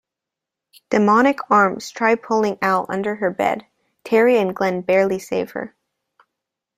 Demonic arms try pulling Al under her bed; Terry and Glen barely save her.